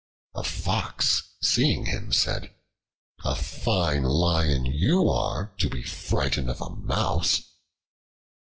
A Fox seeing him said: "A fine Lion you are, to be frightened of a Mouse."